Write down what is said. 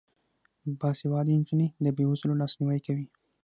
باسواده نجونې د بې وزلو لاسنیوی کوي.